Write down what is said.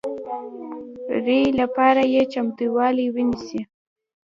ري لپاره یې چمتوالی ونیسئ